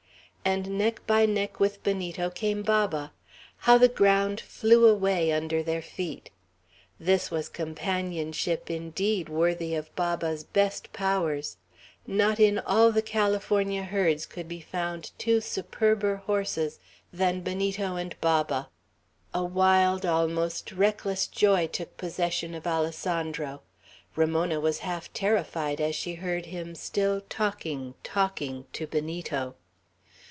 And neck by neck with Benito came Baba. How the ground flew away under their feet! This was companionship, indeed, worthy of Baba's best powers. Not in all the California herds could be found two superber horses than Benito and Baba. A wild, almost reckless joy took possession of Alessandro. Ramona was half terrified as she heard him still talking, talking to Benito.